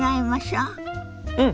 うん！